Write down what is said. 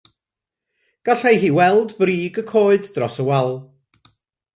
Gallai hi weld brig y coed dros y wal.